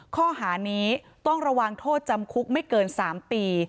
ข้อหานี้ต้องระวังโทษจำคุกไม่เกิน๓ปี